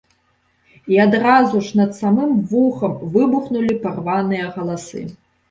І адразу ж, над самым вухам, выбухнулі парваныя галасы.